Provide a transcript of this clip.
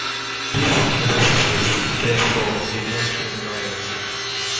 These universities, therefore, did not train lawyers.